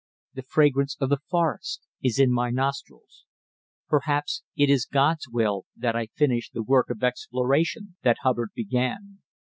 The fragrance of the forest is in my nostrils. Perhaps it is God's will that I finish the work of exploration that Hubbard began.